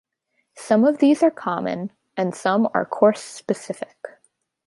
Some of these are common, and some are course-specific.